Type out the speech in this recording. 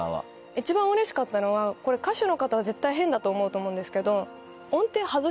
一番嬉しかったのはこれ歌手の方は絶対変だと思うと思うんですけど。